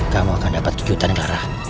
kamu akan dapat kejutan negara